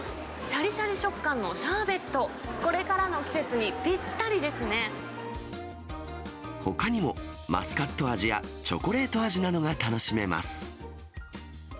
しゃりしゃり食感のシャーベット、ほかにも、マスカット味やチョコレート味などが楽しめます。